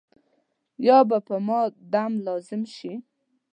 یا به په ما دم لازم شي.